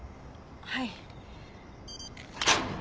はい。